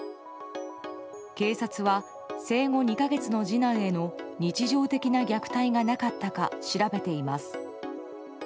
警察は生後２か月の次男への日常的な虐待がなかったか調べています。